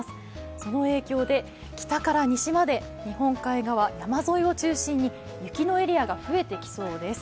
その影響で、北から西まで日本海側山沿いを中心に雪のエリアが増えてきそうです。